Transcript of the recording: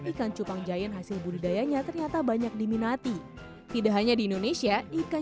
ikan cupang giant hasil budidayanya ternyata banyak diminati tidak hanya di indonesia ikan